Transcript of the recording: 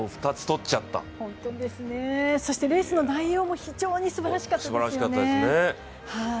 レースの内容も非常にすばらしかったですよね。